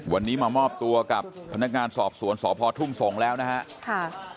วันนี้มามอบตัวกับพนักงานสอบสวนสพทุ่งส่งแล้วนะครับ